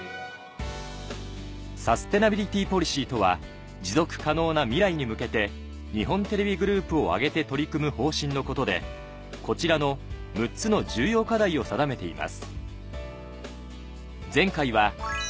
サステナビリティポリシーとは持続可能な未来に向けて日本テレビグループを挙げて取り組む方針のことでこちらの６つの重要課題を定めています